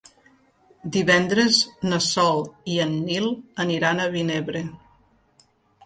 Divendres na Sol i en Nil aniran a Vinebre.